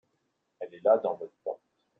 Elle est là dans votre porte.